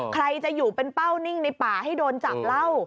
ใครจะอยู่เป็นเป้านิ่งในป่าให้โดนจับเล่า